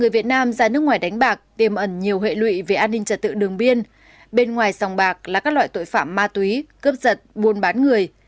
bên trong sòng bạc là các loại tội phạm ma túy cướp giật buôn bán người